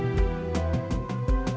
lagi nunggu dijemput sama partner saya